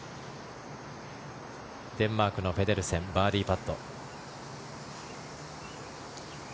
デンマークのペデルセンバーディーパット。